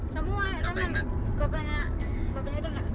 semua yang datang